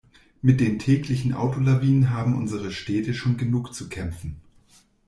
Mit den täglichen Autolawinen haben unsere Städte schon genug zu kämpfen.